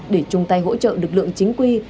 để chung tay hỗ trợ lực lượng chính quy